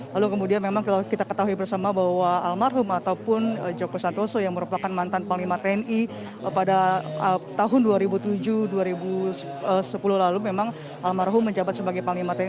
lalu kemudian memang kita ketahui bersama bahwa almarhum ataupun joko santoso yang merupakan mantan panglima tni pada tahun dua ribu tujuh dua ribu sepuluh lalu memang almarhum menjabat sebagai panglima tni